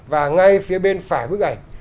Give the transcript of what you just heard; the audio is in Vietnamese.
và ngay phía bên phải bức ảnh